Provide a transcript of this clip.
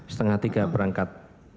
setengah tiga berangkat